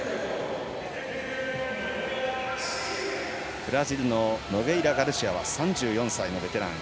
ブラジルのノゲイラガルシアは３４歳のベテラン。